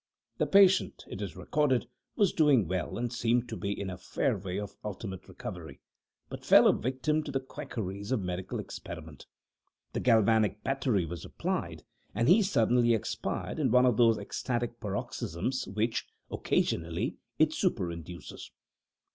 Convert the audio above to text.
This patient, it is recorded, was doing well and seemed to be in a fair way of ultimate recovery, but fell a victim to the quackeries of medical experiment. The galvanic battery was applied, and he suddenly expired in one of those ecstatic paroxysms which, occasionally, it superinduces.